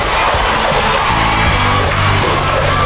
สองถุง